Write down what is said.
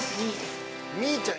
ミーちゃん。